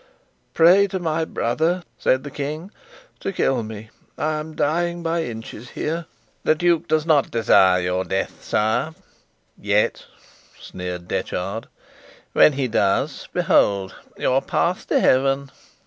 "Pray my brother," said the King, "to kill me. I am dying by inches here." "The duke does not desire your death, sire yet," sneered Detchard; "when he does behold your path to heaven!"